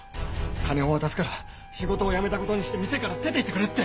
金を渡すから仕事を辞めた事にして店から出て行ってくれって。